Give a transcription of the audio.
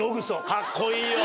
かっこいいよ！